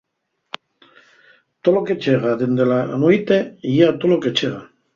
Tolo que chega dende la nueite yía tolo que chega.